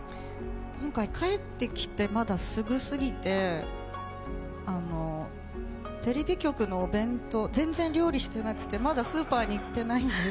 今回帰ってきてまだすぐすぎて、全然料理してなくて、まだスーパーに行ってないんです。